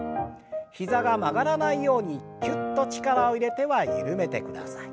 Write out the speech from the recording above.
膝が曲がらないようにきゅっと力を入れては緩めてください。